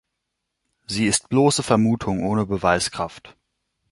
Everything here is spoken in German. Sie ist bloße Vermutung ohne Beweiskraft.